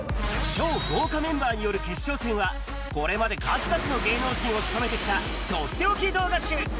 超豪華メンバーによる決勝戦は、これまで数々の芸能人をしとめてきたとっておき動画集。